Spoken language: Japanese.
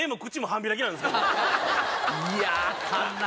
いやあかんな